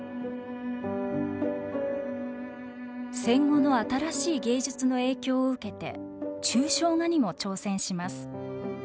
戦後の新しい芸術の影響を受けて抽象画にも挑戦します。